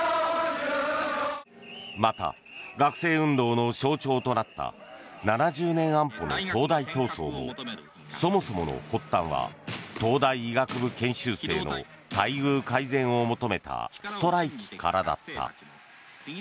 また、学生運動の象徴となった７０年代安保の東大闘争もそもそもの発端は東大医学部研修生の待遇改善を求めたストライキからだった。